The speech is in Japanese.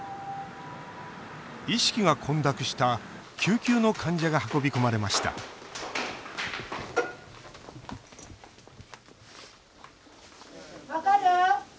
意識が混濁した救急の患者が運び込まれました分かる？